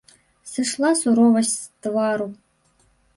Сышла суровасць з твару.